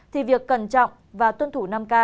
thì việc cẩn trọng và tuân thủ năm k